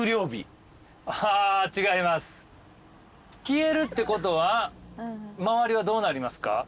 消えるってことは周りはどうなりますか？